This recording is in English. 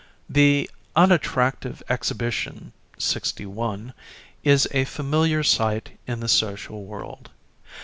61] The unattractive exhibition 61, is a familiar sight in the social world.